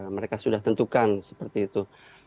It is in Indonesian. mereka sudah tentukan seperti itu